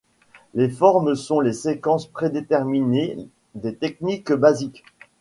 Les formes sont les séquences prédéterminées des techniques basiques.